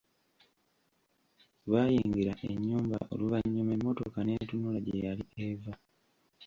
Baayingirira ennyumba oluvannyuma emmotoka n'etunula gye yali eva.